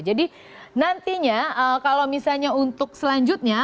jadi nantinya kalau misalnya untuk selanjutnya